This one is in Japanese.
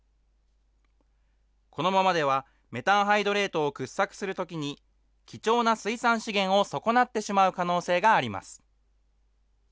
このままでは、メタンハイドレートを掘削するときに、貴重な水産資源を損なってしまう可能性があります。